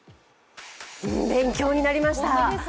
勉強になりました！